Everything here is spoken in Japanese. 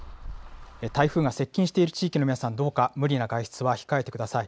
台風が接近している地域の皆さん、どうか無理な外出は控えてください。